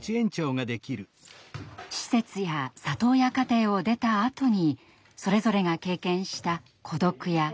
施設や里親家庭を出たあとにそれぞれが経験した孤独や不安。